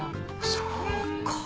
そうか。